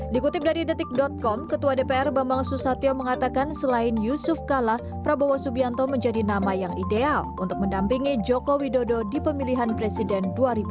dikutip dari detik com ketua dpr bambang susatyo mengatakan selain yusuf kala prabowo subianto menjadi nama yang ideal untuk mendampingi joko widodo di pemilihan presiden dua ribu dua puluh